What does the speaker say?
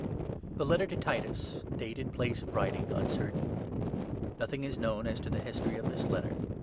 THE LETTER TO TITUS, [DATE AND PLACE OF WRITING UNCERTAIN.] NOTHING is known as to the history of this Letter.